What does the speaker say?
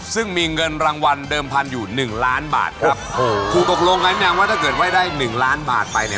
ซึ่งมีเงินรางวัลเดิมพันอยู่หนึ่งล้านบาทครับโอ้โหถูกตกลงกันว่าถ้าเกิดว่าได้หนึ่งล้านบาทไปเนี่ย